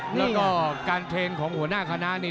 แล้วก็การเคนของหัวหน้าคณะนี่